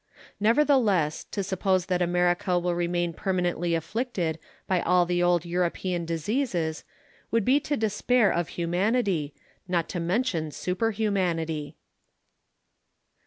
Nevertheless, to suppose that America will remain permanently afflicted by all the old European diseases would be to despair of humanity, not to mention super humanity.